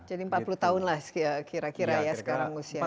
jadi empat puluh tahun lah kira kira ya sekarang usianya